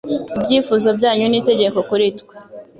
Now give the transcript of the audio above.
ibyifuzo byanyu ni itegeko kuri twe.